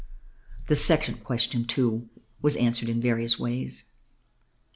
The second question, too, was answered in various ways.